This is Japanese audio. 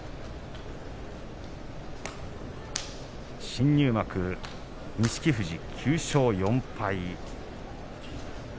新入幕、錦富士９勝４敗。